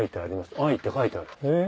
「愛」って書いてあるえ？